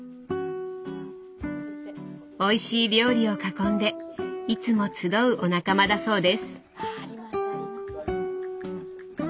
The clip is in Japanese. おいしい料理を囲んでいつも集うお仲間だそうです。